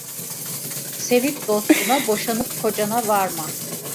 Sevip dostuna, boşanıp kocana varma.